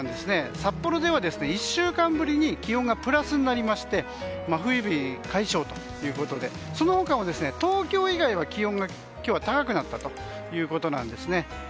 札幌では１週間ぶりに気温がプラスになりまして真冬日解消ということでその他も、東京以外は今日は気温が高くなったんですね。